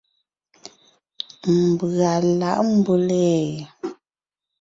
Mbʉ̀a lǎʼ mbʉ́le ?